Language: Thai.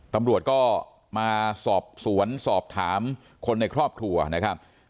ตำรวจก็มาสอบสวนสอบถามคนในครอบครัวนะครับ